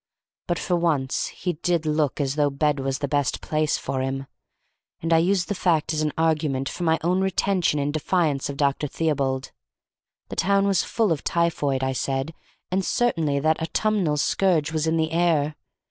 But for once he did look as though bed was the best place for him; and I used the fact as an argument for my own retention in defiance of Dr. Theobald. The town was full of typhoid, I said, and certainly that autumnal scourge was in the air.